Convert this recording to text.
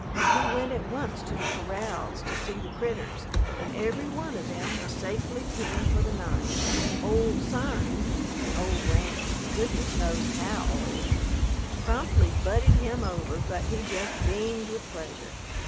He went at once to the corrals to see the "critters," and every one of them was safely penned for the night. "Old Sime," an old ram (goodness knows how old!), promptly butted him over, but he just beamed with pleasure.